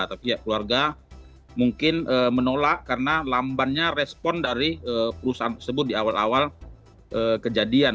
tapi keluarga mungkin menolak karena lambannya respon dari perusahaan tersebut di awal awal kejadian